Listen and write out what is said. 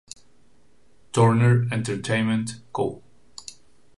Turner Entertainment Co.